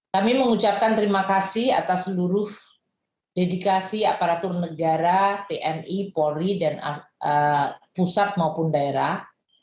kami mengucapkan terima kasih atas seluruh dedikasi aparatur negara tni polri dan pusat maupun daerah